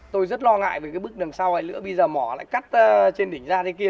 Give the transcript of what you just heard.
tôi rất lo ngại về cái bức đường sau hay nữa bây giờ mỏ lại cắt trên đỉnh ra thế kia